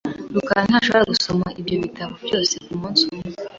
rukara ntashobora gusoma ibyo bitabo byose kumunsi umwe .